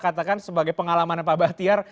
katakan sebagai pengalaman pak bahtiar